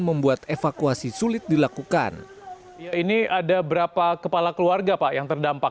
membuat evakuasi sulit dilakukan ya ini ada berapa kepala keluarga pak yang terdampak